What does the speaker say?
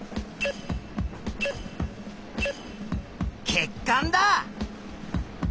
血管だ！